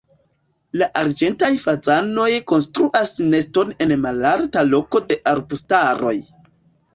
La arĝentaj fazanoj konstruas neston en malalta loko de arbustaroj.